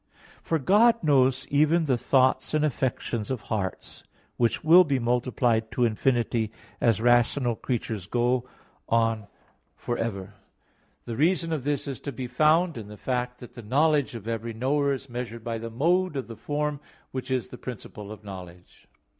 For God knows even the thoughts and affections of hearts, which will be multiplied to infinity as rational creatures go on for ever. The reason of this is to be found in the fact that the knowledge of every knower is measured by the mode of the form which is the principle of knowledge.